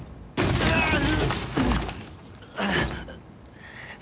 あっ！